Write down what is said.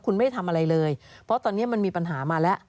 คุณไม่ทำอะไรเลยเพราะตอนนี้มันมีปัญหามาแล้ว